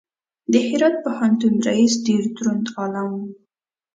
د هرات پوهنتون رئیس ډېر دروند عالم و.